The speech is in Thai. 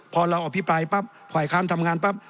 พอเราอภิปรายปั๊บฝ่ายค้านทำงานปั๊บ